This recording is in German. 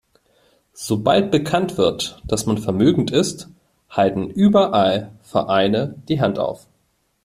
Sobald bekannt wird, dass man vermögend ist, halten überall Vereine die Hand auf.